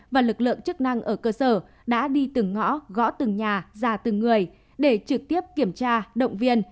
và lực lượng chức năng ở cơ sở đã đi từng ngõ gõ từng nhà ra từng người để trực tiếp kiểm tra động viên